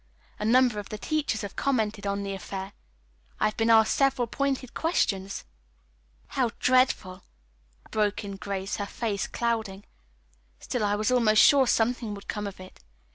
A number of the teachers have commented on the affair. I've been asked several pointed questions." "How dreadful!" broke in Grace, her face clouding. "Still I was almost sure something would come of it.